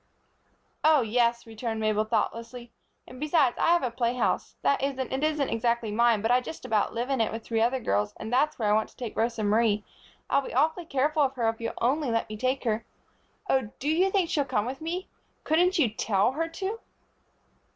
"Oh yes," returned Mabel, thoughtlessly. "And besides I have a playhouse. That is, it isn't exactly mine, but I just about live in it with three other girls, and that's where I want to take Rosa Marie. I'll be awfully careful of her if you'll only let me take her. Oh, do you think she'll come with me? Couldn't you tell her to?"